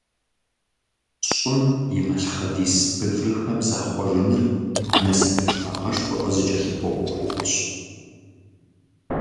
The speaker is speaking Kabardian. ЩӀым и малъхъэдис бынжэхэм захъуэжыныр насыпыншагъэшхуэ къызыкӀэлъыкӀуэ Ӏуэхугъуэщ.